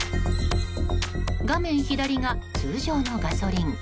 画面左が通常のガソリン。